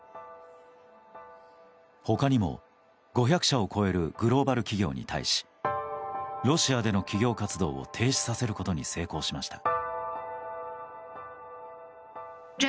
他にも、５００社を超えるグローバル企業に対しロシアでの企業活動を停止させることに成功しました。